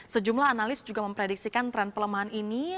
sejumlah analis juga memprediksikan tren pelemahan ini